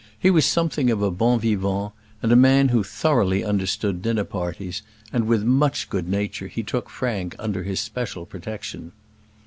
He was somewhat of a bon vivant, and a man who thoroughly understood dinner parties; and with much good nature he took Frank under his special protection.